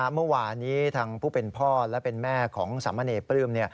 เมื่อวานนี้ทางผู้เป็นพ่อและเป็นแม่ของสามเณรปลื้ม